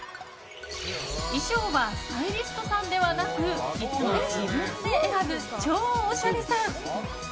衣装はスタイリストさんではなくいつも自分で選ぶ超おしゃれさん。